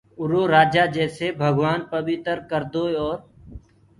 اُرو رآجآ جيسي ڀگوآن پٻيٚتر ڪردوئي اورَ